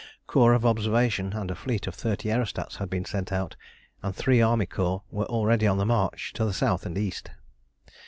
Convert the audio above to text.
Corps of observation and a fleet of thirty aerostats had been sent out, and three army corps were already on the march to the south and east.